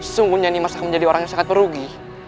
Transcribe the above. sesungguhnya nimas akan menjadi orang yang sangat merugi